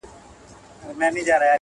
چې د مخلوق اطاعت هغه مهال مه کوه